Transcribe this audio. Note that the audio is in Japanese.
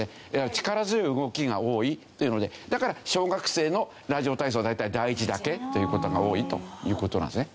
力強い動きが多いというのでだから小学生のラジオ体操は大体第１だけという事が多いという事なんですね。